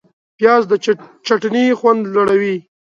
پیاز د چټني خوند لوړوي